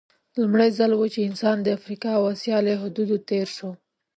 لومړی ځل و چې انسان د افریقا او اسیا له حدودو تېر شو.